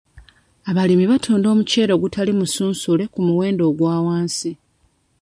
Abalimi batunda omuceere ogutali musunsule ku muwendo ogwa wansi.